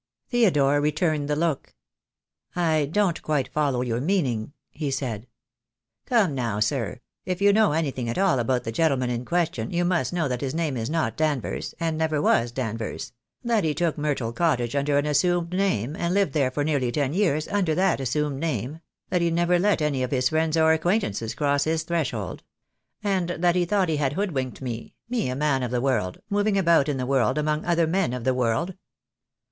Theodore returned the look. "I don't quite follow your meaning," he said. "Come, now, sir, if you know anything at all about the gentleman in question you must know that his name is not Danvers, and never was Danvers; that he took Myrtle Cottage under an assumed name, and lived there for nearly ten years under that assumed name; that he 6* 84 THE DAY WILL COME. never let any of his friends or acquaintances cross his threshold; and that he thought he had hoodwinked me, me a man of the world, moving about in the world, among other men of the world.